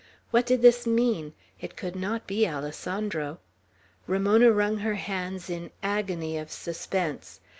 What did this mean? It could not be Alessandro. Ramona wrung her hands in agony of suspense.